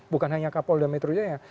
bukan hanya kapolda metro jaya